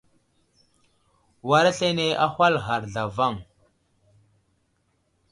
War aslane ahwal ghar zlavaŋ.